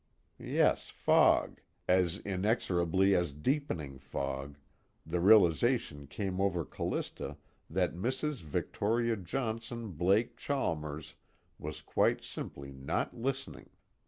Yes, fog as inexorably as deepening fog, the realization came over Callista that Mrs. Victoria Johnson Blake Chalmers was quite simply not listening.